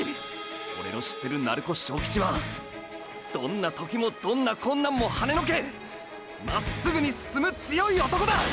オレの知ってる鳴子章吉はどんな時もどんな困難もはねのけまっすぐに進む強い男だ！！